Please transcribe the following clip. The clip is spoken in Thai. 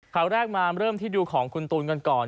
ข่าวแรกมาเริ่มที่ดูของคุณตูนกันก่อน